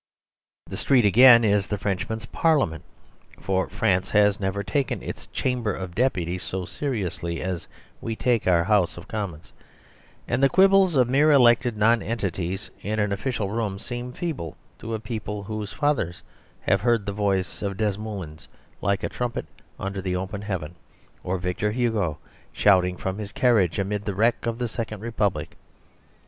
The street again is the Frenchman's Parliament, for France has never taken its Chamber of Deputies so seriously as we take our House of Commons, and the quibbles of mere elected nonentities in an official room seem feeble to a people whose fathers have heard the voice of Desmoulins like a trumpet under open heaven, or Victor Hugo shouting from his carriage amid the wreck of the second Republic.